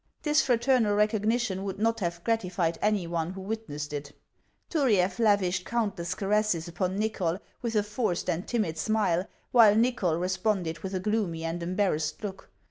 This fraternal recog nition would not have gratified any one who witnessed it. Turiaf lavished countless caresses upon Xychol with a forced and timid smile, while Xychol responded with a gloomy and embarrassed look.